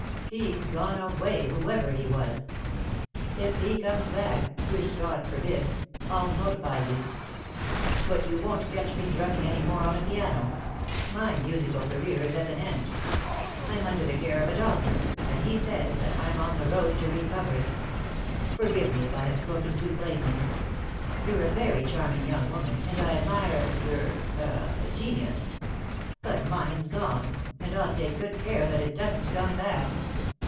He's gone away, whoever he was. If he comes back which God forbid I'll notify you. But you won't catch me drumming any more on a piano. My musical career is at an end. I'm under the care of a doctor, and he says that I'm on the road to recovery. Forgive me if I have spoken too plainly. You're a very charming young woman, and I admire your ah genius. But mine's gone, and I'll take good care that it doesn't come back.